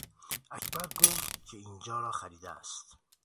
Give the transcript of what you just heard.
اکبر گفت که اینجا را خریده است.